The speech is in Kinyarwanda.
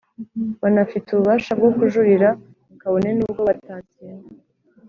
banafite ububasha bwo kujurira kabone n’ ubwo batatsinda